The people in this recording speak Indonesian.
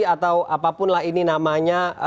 atau apapun lah ini namanya